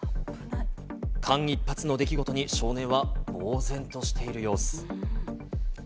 間一髪の出来事に、少年は呆然としている様子。